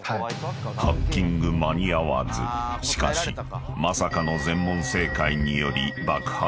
［しかしまさかの全問正解により］